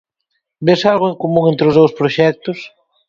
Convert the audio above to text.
Ves algo en común entre os dous proxectos?